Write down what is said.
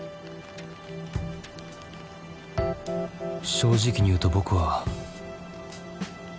正直に言うと僕は。